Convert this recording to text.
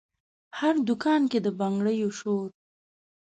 هر دکان کې د بنګړیو شور،